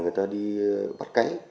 người ta đi bắt cánh